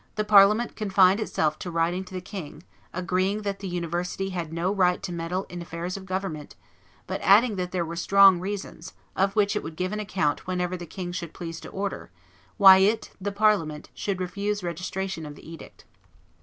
Parliament confined itself to writing to the king, agreeing that the University had no right to meddle in affairs of government, but adding that there were strong reasons, of which it would give an account whenever the king should please to order, why it, the Parliament, should refuse registration of the edict.